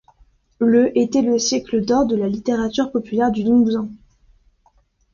Le était le siècle d'or de la littérature populaire du Limousin.